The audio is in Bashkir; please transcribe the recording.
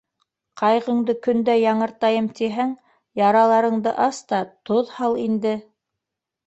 Ҡайғыңды көн дә яңыртайым тиһәң, яраларыңды ас та тоҙ һал иңде...